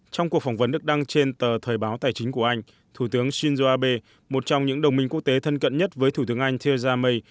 trong cuộc phỏng vấn được đăng trên tờ thời báo tài chính của anh thủ tướng shinzo abe một trong những đồng minh quốc tế thân cận nhất với thủ tướng anh theresa may